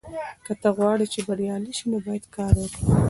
که ته غواړې چې بریالی شې نو باید کار وکړې.